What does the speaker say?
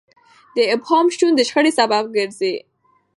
د ابهام شتون د شخړې سبب ګرځي.